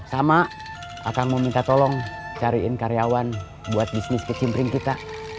sama akang mau minta tolong cariin karyawan buat bisnis ke cimpring kita